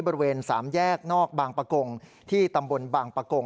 บริเวณสามแยกนอกบางประกงที่ตำบลบางปะกง